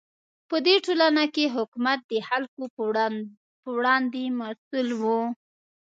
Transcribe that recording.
په دې ټولنه کې حکومت د خلکو په وړاندې مسوول و.